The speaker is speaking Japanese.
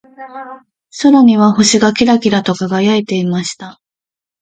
空には星がキラキラと輝いていました。